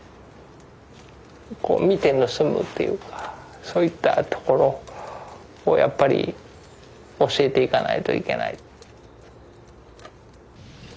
こう見て盗むっていうかそういったところをやっぱり教えていかないといけない。